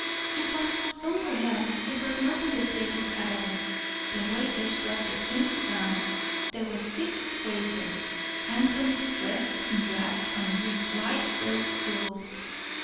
"It was somewhere else. It was not on the table at all. The waiters brought the things round. There were six waiters, handsomely dressed in black, and with white silk gloves."